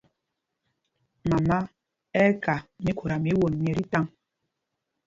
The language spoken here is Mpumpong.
Mama ɛ́ ɛ́ ka míkhuta mí won myɛ́ tí taŋ.